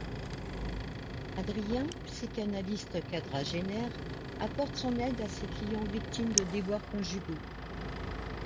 Adrien, psychanalyste quadragénaire, apporte son aide à ses clients victimes de déboires conjugaux.